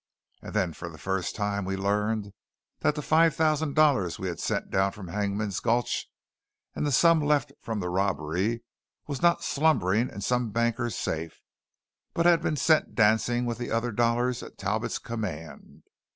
And then for the first time we learned that the five thousand dollars we had sent down from Hangman's Gulch, and the sum left from the robbery, was not slumbering in some banker's safe, but had been sent dancing with the other dollars at Talbot's command.